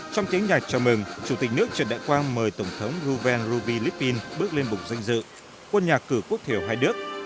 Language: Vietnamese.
trong tiếng nhạc chào mừng chủ tịch nước trần đại quang mời tổng thống israel reuven ruvi riplin bước lên bục danh dự quân nhà cử quốc thiểu hai đứa